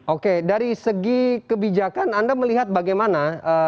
oke dari segi kebijakan anda melihat bagaimana